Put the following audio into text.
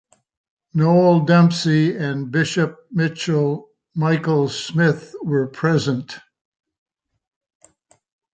Noel Dempsey and Bishop Micheal Smith were present.